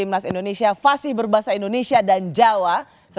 meso aku bisa banyak